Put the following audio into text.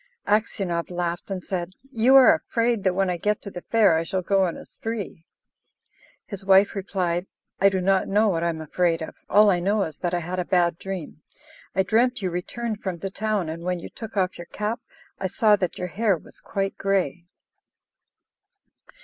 Aksionov laughed, and said, "You are afraid that when I get to the fair I shall go on a spree." His wife replied: "I do not know what I am afraid of; all I know is that I had a bad dream. I dreamt you returned from the town, and when you took off your cap I saw that your hair was quite grey."